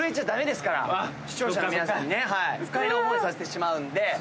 視聴者の皆さんに不快な思いさせてしまうんで。